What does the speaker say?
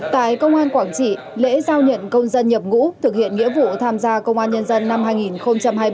tại công an quảng trị lễ giao nhận công dân nhập ngũ thực hiện nghĩa vụ tham gia công an nhân dân năm hai nghìn hai mươi ba